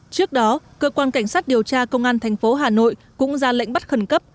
trước đó cơ quan cảnh sát điều tra công an thành phố hà nội cũng ra lệnh bắt khẩn cấp